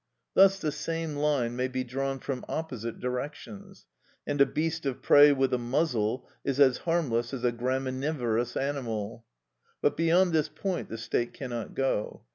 Thus the same line may be drawn from opposite directions, and a beast of prey with a muzzle is as harmless as a graminivorous animal. But beyond this point the state cannot go.